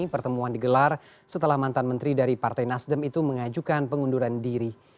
pertemuan digelar setelah mantan menteri dari partai nasdem itu mengajukan pengunduran diri